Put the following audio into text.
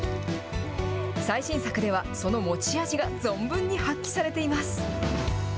最新作では、その持ち味が存分に発揮されています。